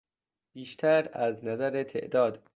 بیشتر از نظر تعداد